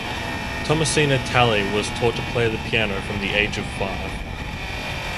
Thomasina Talley was taught to play the piano from the age of five.